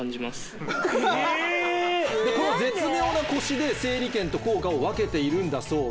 この絶妙なコシで整理券と硬貨を分けているんだそうです。